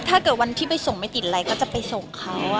ถ้าเกิดวันที่ไปส่งไม่ติดอะไรก็จะไปส่งเขา